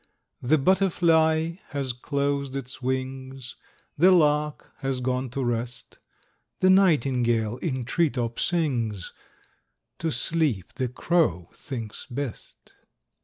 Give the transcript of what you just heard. The butterfly has closed its wings, The lark has gone to rest; The nightingale in tree top sings; To sleep the crow thinks best.